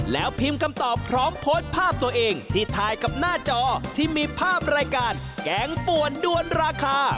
แล้วพิมพ์คำตอบพร้อมโพสต์ภาพตัวเองที่ถ่ายกับหน้าจอที่มีภาพรายการแกงป่วนด้วนราคา